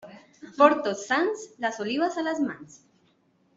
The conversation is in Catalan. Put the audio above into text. Per Tots Sants, les olives a les mans.